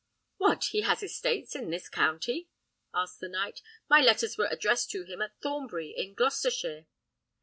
"What! has he estates in this county?" asked the knight; "my letters were addressed to him at Thornbury, in Gloucestershire."